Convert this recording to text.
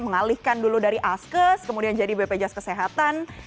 mengalihkan dulu dari askes kemudian jadi bpjs kesehatan